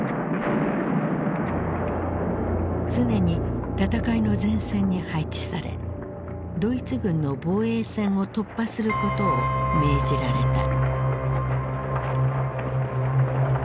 常に戦いの前線に配置されドイツ軍の防衛線を突破することを命じられた。